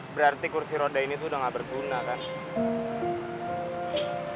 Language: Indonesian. berarti kursi roda ini tuh udah gak berguna kan